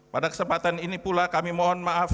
pada kesempatan ini pula kami mohon maaf